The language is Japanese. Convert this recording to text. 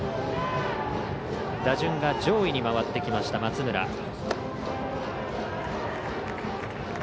打順が上位に回ってきます、松村。